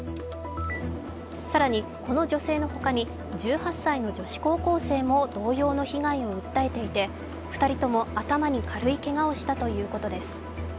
更にこの女性の他に１８歳の女子高校生も同様の被害を訴えていて２人とも頭に軽いけがをしたということです。